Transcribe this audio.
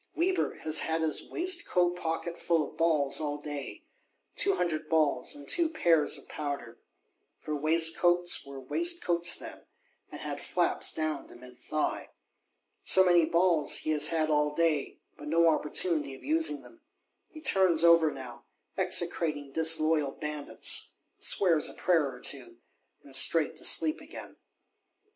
Weber has had his waistcoat pocket full of balls all day; "two hundred balls, and two pears of powder!" For waistcoats were waistcoats then, and had flaps down to mid thigh. So many balls he has had all day; but no opportunity of using them: he turns over now, execrating disloyal bandits; swears a prayer or two, and straight to sleep again.